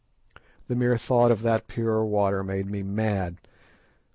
The mere thought of that pure water made me mad.